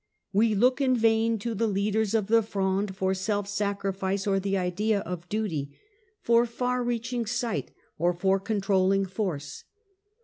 We look in vain to the leaders of the Fronde for self sacrifice or the idea of duty, for far reaching sight or for control ling force.